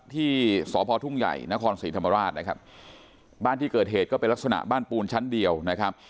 ที่สพทุ่งใหญ่นครศรีธรรมราชนะครับบ้านที่เกิดเหตุก็เป็นลักษณะบ้านปูนชั้นเดียวนะครับ